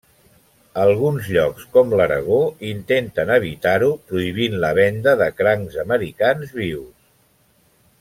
Alguns llocs, com l'Aragó, intenten evitar-ho prohibint la venda de crancs americans vius.